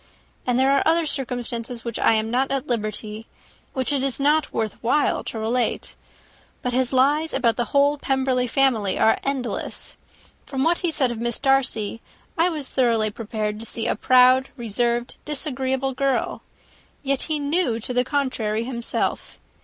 And there are other circumstances which I am not at liberty which it is not worth while to relate; but his lies about the whole Pemberley family are endless. From what he said of Miss Darcy, I was thoroughly prepared to see a proud, reserved, disagreeable girl. Yet he knew to the contrary himself.